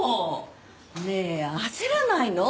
ねえ焦らないの？